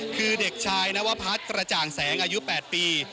คือเด็กชายนวพัฒน์กระจ่างแสงอายุ๘ปี